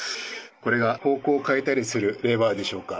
これが方向を変えたりするレバーでしょうか。